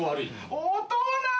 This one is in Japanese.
大人！